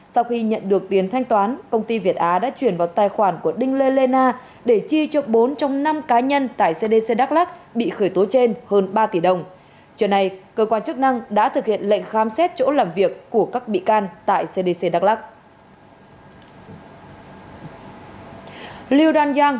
sau khi nhận được tiền thanh toán công ty việt á đã chuyển vào tài khoản của đinh lê lê na để chi trục bốn trong năm cá nhân tại cdc đắk lắc bị khởi tố trên hơn ba tỷ đồng